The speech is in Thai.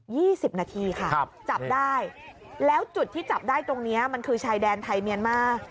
สิบนาทีค่ะครับจับได้แล้วจุดที่จับได้ตรงเนี้ยมันคือชายแดนไทยเมียนมา